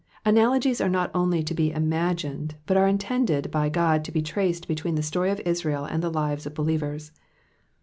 ''' Analogies are not only to be imagined, but are intended by God to be traced between the story of Israel and the lives of believers.